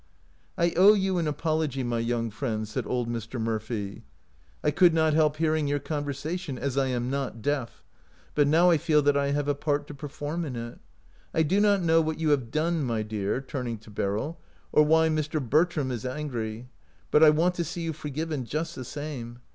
"I owe you an apology, my young friends," said old Mr. Murphy. " I could not help hearing your conversation, as I am not deaf, but now I feel that I have a part to perform in it. I do not know what you have done, my dear," turning to Beryl, " or why Mr. Ber tram is angry, but I want to see you for given just the same.